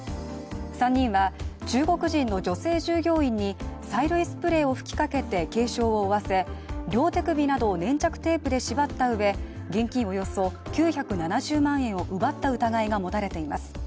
３人は中国人の女性従業員に催涙スプレーを吹きかけて軽傷を負わせ、両手首などを粘着テープで縛ったうえ現金およそ９７０万円を奪った疑いが持たれています。